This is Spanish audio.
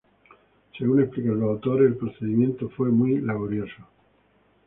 Según explican los autores, “El procedimiento fue muy laboriosos.